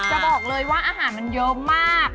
จะบอกเลยว่าอาหารมันเยอะมาก